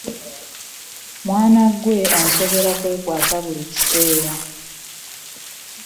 Mwana ggwe onsobera kwekwasa buli kiseera.